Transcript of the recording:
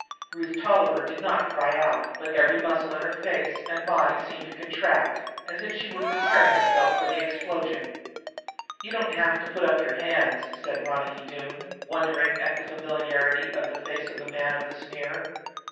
Ruth Tolliver did not cry out, but every muscle in her face and body seemed to contract, as if she were preparing herself for the explosion. "You don't have to put up your hands," said Ronicky Doone, wondering at the familiarity of the face of the man of the sneer.